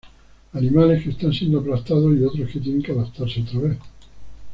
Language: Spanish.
Animales que están siendo aplastados, y otros que tienen que adaptarse otra vez.